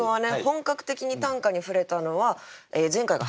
本格的に短歌に触れたのは前回が初めて？